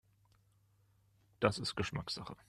Das ist Geschmackssache.